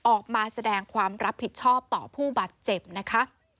ออกมาแสดงความรับผิดชอบต่อผู้บาดเจ็บนะคะ